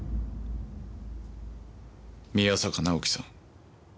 宮坂直樹さん